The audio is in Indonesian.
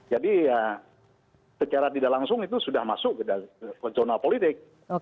jadi ya secara tidak langsung itu sudah masuk ke zona politik